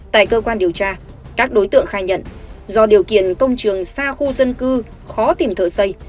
tại cơ quan điều tra các đối tượng khai nhận do điều kiện công trường xa khu dân cư khó tìm thợ xây